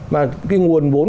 mà cái nguồn vốn